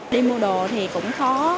đi mua đồ thì cũng khó